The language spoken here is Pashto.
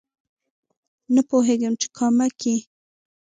نه پوهېږم چې کامه کې